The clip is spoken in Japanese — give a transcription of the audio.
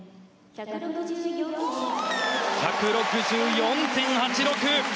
１６４．８６。